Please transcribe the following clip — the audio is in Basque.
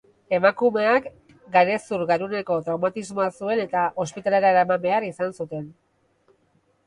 Emakumeak garezur-garuneko traumatismoa zuen eta ospitalera eraman behar izan zuten.